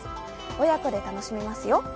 親子で楽しめますよ。